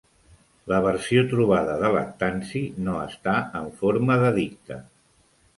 La versió trobada de Lactanci no està en forma d'edicte.